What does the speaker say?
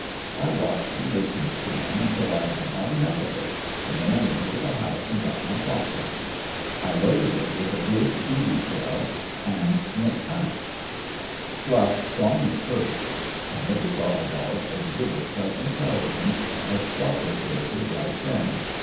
I watched and listened to them until I had had enough of it, and then I went into the house and got my shotgun. I loaded it with a good BB shell and went out. [Illustration: 62] Fluff saw me first. I never saw a dog exhibit such intelligence as Fluff exhibited right then.